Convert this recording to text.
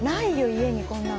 家にこんなん。